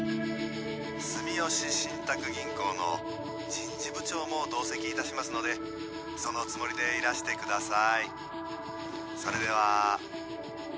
☎住吉信託銀行の人事部長も同席いたしますので☎そのつもりでいらしてください